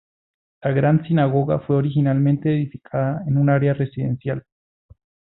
La Gran Sinagoga fue originalmente edificada en un área residencial.